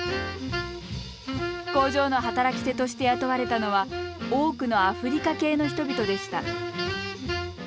工場の働き手として雇われたのは多くのアフリカ系の人々でした。